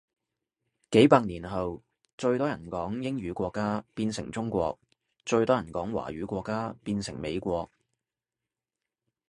幾百年後最人多講英語國家變成中國，最多人講華語國家變成美國